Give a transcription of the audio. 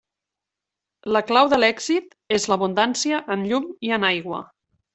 La clau de l'èxit és l'abundància en llum i en aigua.